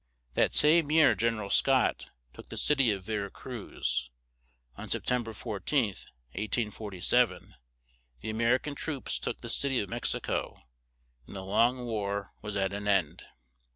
That same year Gen er al Scott took the cit y of Ve ra Cruz; on Sep tem ber 14th, 1847, the A mer i can troops took the cit y of Mex i co, and the long war was at an end.